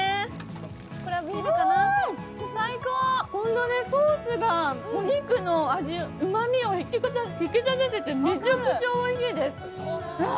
ほんとね、ソースがお肉の味を引き立ててて、めちゃくちゃおいしいです。